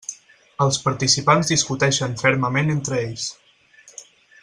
Els participants discuteixen fermament entre ells.